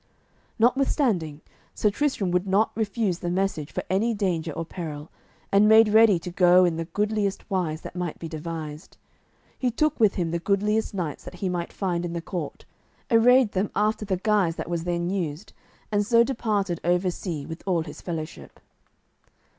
Notwithstanding, Sir Tristram would not refuse the message for any danger or peril, and made ready to go in the goodliest wise that might be devised. He took with him the goodliest knights that he might find in the court, arrayed them after the guise that was then used, and so departed over sea with all his fellowship.